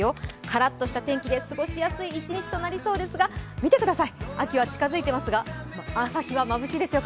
カラッした天気で過ごしやすい一日となりそうですが、見てください、秋は近づいていますが、朝日はまぶしいですよ。